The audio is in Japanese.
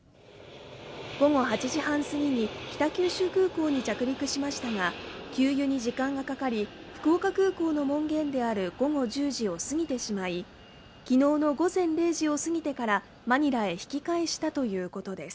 午後８時半過ぎに北九州空港に着陸しましたが給油に時間がかかり福岡空港の門限である午後１０時を過ぎてしまい昨日の午前０時を過ぎてからマニラへ引き返したということです